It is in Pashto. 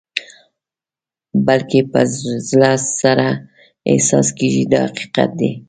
بلکې په زړه سره احساس کېږي دا حقیقت دی.